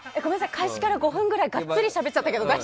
開始から５分くらいがっつりしゃべっちゃいましたけど。